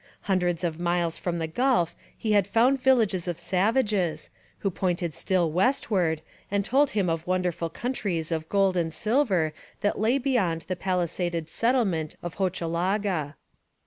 Hundreds of miles from the gulf he had found villages of savages, who pointed still westward and told him of wonderful countries of gold and silver that lay beyond the palisaded settlement of Hochelaga.